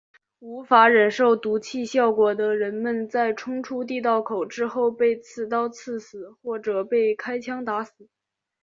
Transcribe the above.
无法忍受毒气效果的人们在冲出地道口之后被刺刀刺死或者被开枪打死。